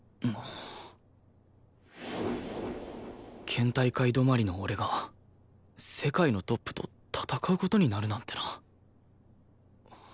県大会止まりの俺が世界のトップと戦う事になるなんてな